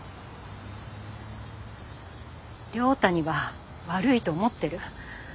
亮太には悪いと思ってる。